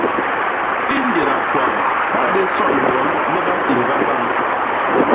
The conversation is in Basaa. I ñgéda kwañ ba bé son bon le ba séhba bañ.